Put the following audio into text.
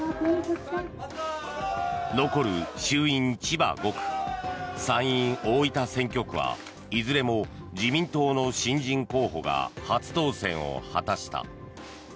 残る衆院千葉５区参院大分選挙区はいずれも自民党の新人候補が初当選を果たした。